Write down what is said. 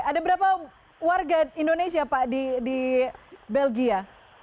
ada berapa warga indonesia pak di belgia